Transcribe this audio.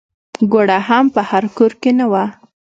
ګوړه هم په هر کور کې نه وه.